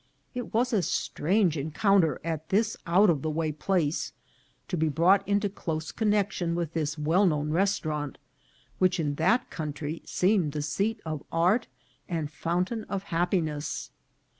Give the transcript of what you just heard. It was a strange encounter at this out of the way place, to be brought into close connexion with this well known restaurant, which in that country seemed the seat of art and fountain of hap piness.